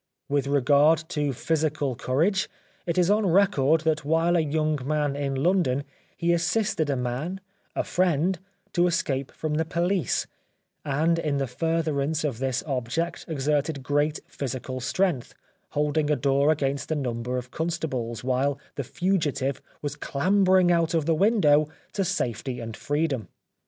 With regard to physical courage it is on record that while a young man in London he assisted a man, a friend, to escape from the police, and in the furtherance of this object ex erted great physical strength, holding a door against a number of constables, while the fugitive was clambering out of the window to safety and freedom.